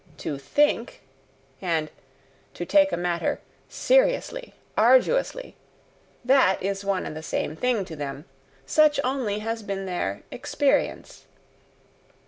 "To think" and to take a matter "seriously," "arduously" that is one and the same thing to them; such only has been their "experience."